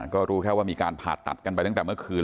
ก็รู้แค่ว่ามีการผ่าตัดกันไปตั้งแต่เมื่อคืน